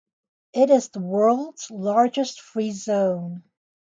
It is the world's largest free zone.